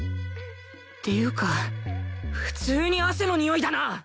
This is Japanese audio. っていうか普通に汗のにおいだな！